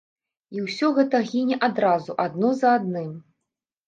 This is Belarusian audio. І ўсё гэта гіне адразу адно за адным.